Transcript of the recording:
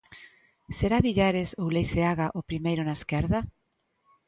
Será Villares ou Leiceaga o primeiro na esquerda?